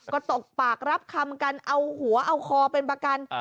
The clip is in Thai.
ก็ตกปากรับคำกันเอาหัวเอาคอเป็นประกัน